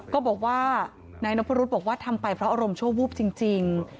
ก็บอกว่านายนพรุษบอกว่าทำไปเพราะอารมณ์ชั่ววูบจริง